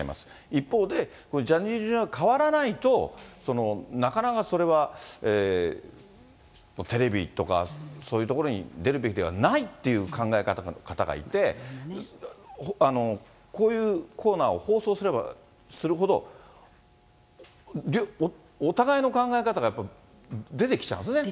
一方で、こういうジャニーズ事務所が変わらないと、なかなかそれはテレビとか、そういうところに出るべきではないっていう考え方の方がいて、こういうコーナーを放送すればするほど、お互いの考え方がやっぱり出てきちゃいますね。